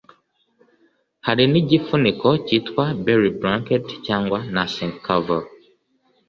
Hari n’igifuniko cyitwa Belly Blanket cyangwa Nursing Cover